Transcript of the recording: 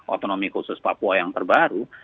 otonomi khusus papua yang terbaru